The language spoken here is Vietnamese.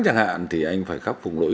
chẳng hạn thì anh phải khắc phục lỗi